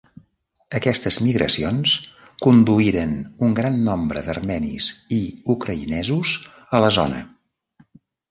Aquestes migracions conduïren un gran nombre d'armenis i ucraïnesos a la zona.